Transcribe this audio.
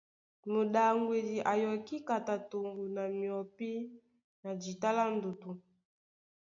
Mudaŋgwedi a yɔkí kata toŋgo na myɔpí na jíta lá ndutu.